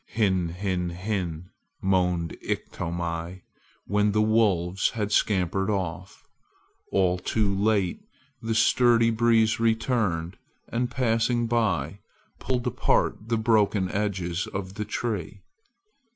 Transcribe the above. "Hin hin hin!" moaned Iktomi, when the wolves had scampered off. All too late, the sturdy breeze returned, and, passing by, pulled apart the broken edges of the tree.